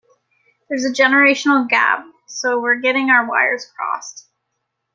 There's a generational gap, so we're getting our wires crossed.